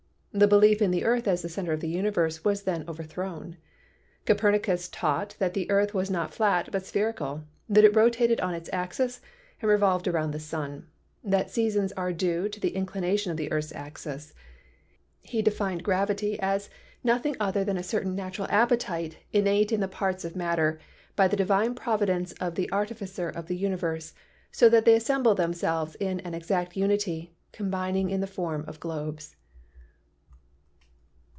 The belief in the earth as the center of the universe was then overthrown. Copernicus taught that the earth was not flat, but spherical ; that it rotated on its axis and revolved around the sun; that seasons are due to the in clination of the earth's axis. He defined gravity as "noth ing other than a certain natural appetite innate in the parts of matter by the divine providence of the Artificer of the universe, so that they assemble themselves in an exact unity, combining in the form of globes."